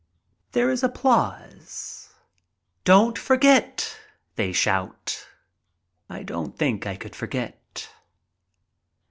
There is applause. "Don't forget," they shout. I don't think I could forget.